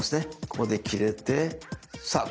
ここで切れてさあ